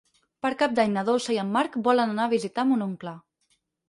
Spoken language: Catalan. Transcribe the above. Per Cap d'Any na Dolça i en Marc volen anar a visitar mon oncle.